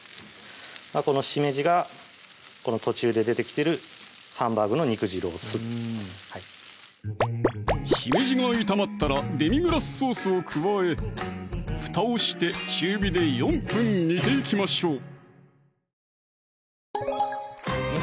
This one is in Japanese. このしめじが途中で出てきてるハンバーグの肉汁を吸うしめじが炒まったらデミグラスソースを加え蓋をして中火で４分煮ていきましょう